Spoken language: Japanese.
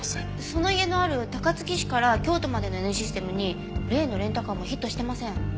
その家のある高槻市から京都までのＮシステムに例のレンタカーもヒットしてません。